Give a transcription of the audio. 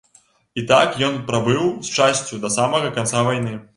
І так ён прабыў з часцю да самага канца вайны.